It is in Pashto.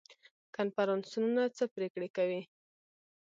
کنفرانسونه څه پریکړې کوي؟